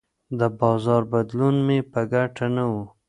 د بازار بدلون مې په ګټه نه و.